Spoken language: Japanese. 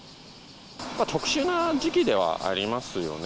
特殊な時期ではありますよね。